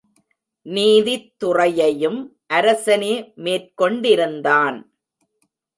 நீதித்துறையையும் அரசனே மேற்கொண்டிருந்தான்.